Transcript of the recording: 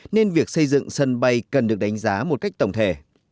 nên việc xây dựng sân bay cần được đánh giá một cách tổng thể